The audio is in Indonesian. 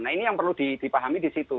nah ini yang perlu dipahami disitu